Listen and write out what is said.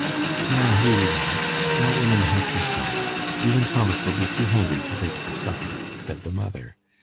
"Now, Hughie, lad, draw in and help yourself. You and Thomas will be too hungry to wait for supper," said the mother.